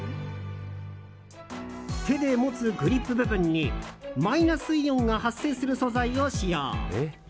手で持つグリップ部分にマイナスイオンが発生する素材を使用。